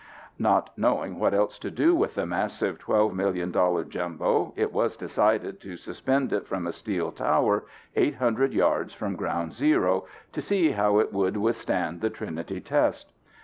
Not knowing what else to do with the massive 12 million dollar Jumbo, it was decided to suspend it from a steel tower 800 yards from Ground Zero to see how it would withstand the Trinity test.